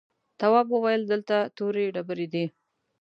تواب وويل: دلته تورې ډبرې دي.